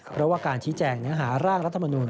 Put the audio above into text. เพราะว่าการชี้แจงเนื้อหาร่างรัฐมนุน